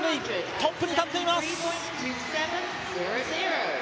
トップに立っています！